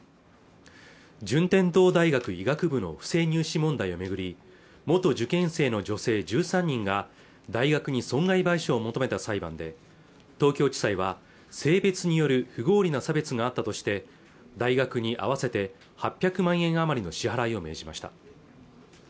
順天堂大学医学部の不正入試問題を巡り元受験生の女性１３人が大学に損害賠償を求めた裁判で東京地裁は性別による不合理な差別があったとして大学に合わせて８００万円余りの支払いを命じました